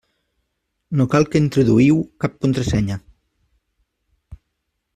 No cal que introduïu cap contrasenya.